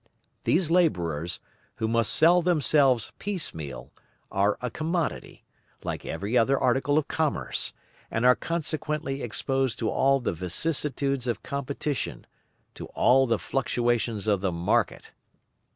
These labourers, who must sell themselves piece meal, are a commodity, like every other article of commerce, and are consequently exposed to all the vicissitudes of competition, to all the fluctuations of the market.